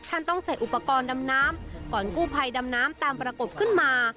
ต้องใส่อุปกรณ์ดำน้ำก่อนกู้ภัยดำน้ำตามประกบขึ้นมา